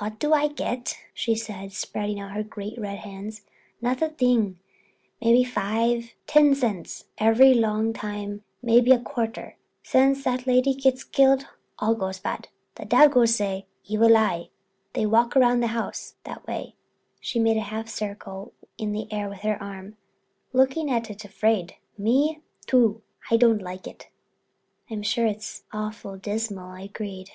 "What do I get?" she said, spreading out her great red hands, "not a thing. Maybe five, ten cents. Every long time maybe a quarter. Since that lady gets killed all goes bad. The dagoes say 'evil eye.' They walk round the house that way," she made a half circle in the air with her arm, "looking at it afraid. Me, too, I don't like it." "It sure is awful dismal," I agreed.